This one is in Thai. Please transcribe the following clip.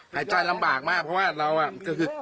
หายใจลำบากมากเพราะว่าเราก็คือ